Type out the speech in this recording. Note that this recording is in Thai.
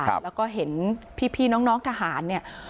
ครับแล้วก็เห็นพี่พี่น้องน้องทหารเนี่ย